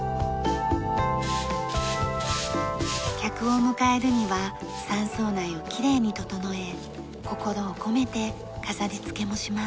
客を迎えるには山荘内をきれいに整え心を込めて飾り付けもします。